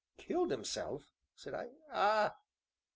"Killed himself!" said I. "Ah